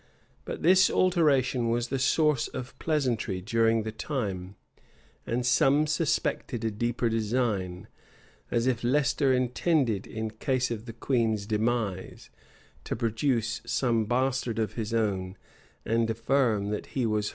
But this alteration was the source of pleasantry during the time; and some suspected a deeper design, as if Leicester intended, in case of the queen's demise, to produce some bastard of his own, and affirm that he was her offspring.